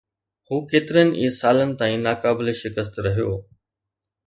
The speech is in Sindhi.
هو ڪيترن ئي سالن تائين ناقابل شڪست رهيو.